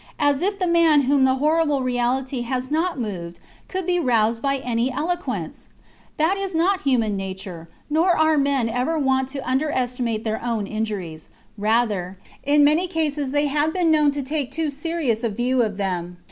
As if the man whom the horrible reality has not moved could be roused by any eloquence ! That is not human nature, nor are rnen ever wont to underestimate their own injuries ; rather, in many cases they have been known to take too serious a view of them.